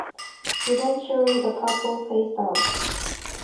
Eventually the purple phased out.